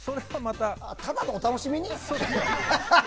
え、ただのお楽しみ？